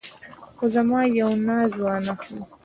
خو زما یو ناز وانه خلې.